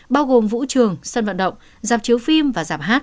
bao gồm vũ trường sân vận động giảm chiếu phim và giảm hát